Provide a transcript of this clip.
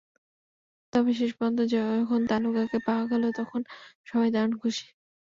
তবে শেষ পর্যন্ত যখন তানুকাকে পাওয়া গেল, তখন সবাই দারুণ খুশি।